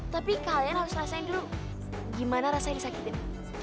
tapi kalian harus rasain dulu gimana rasain sakitin